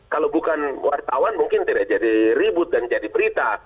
kalau bukan wartawan mungkin tidak jadi ribut dan jadi berita